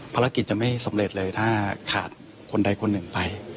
ภารกิจจะไม่สำเร็จเลยถ้าขาดคนใดคนหนึ่งไป